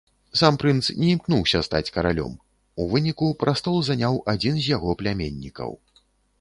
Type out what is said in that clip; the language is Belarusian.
Сам прынц не імкнуўся стаць каралём, у выніку прастол заняў адзін з яго пляменнікаў.